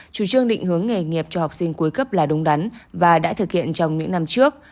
chủ trương định hướng nghề nghiệp cho học sinh cuối cấp là đúng đắn và đã thực hiện trong những năm trước